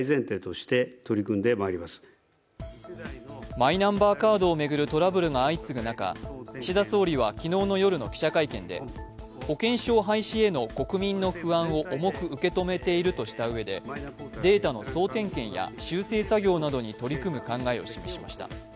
マイナンバーカードを巡るトラブルが相次ぐ中、岸田総理は昨日の夜の記者会見で保険証廃止への国民の不安を重く受け止めているとしたうえで、データの総点検や修正作業などに取り組む考えを示しました。